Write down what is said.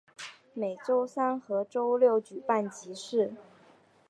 每周三和周六举办集市。